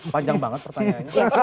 panjang banget pertanyaannya